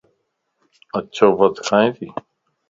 اڇو بت کائينتي